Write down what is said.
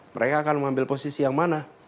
mereka akan mengambil posisi yang mana